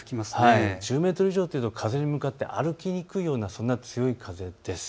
１０メートル以上というのは風に向かって歩きにくいようなそんな強い風です。